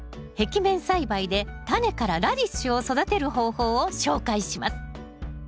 壁面栽培でタネからラディッシュを育てる方法を紹介します。